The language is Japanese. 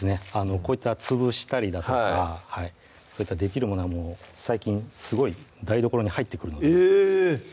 こういった潰したりだとかできるものはもう最近すごい台所に入ってくるのでえーっ！